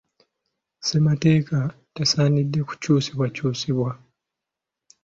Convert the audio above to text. Ssemateeka tasaanide kukyusibwakyusibwa.